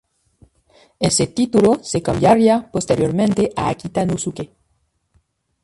Ese título se cambiaría posteriormente a "Akita-no-suke".